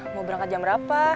mau berangkat jam berapa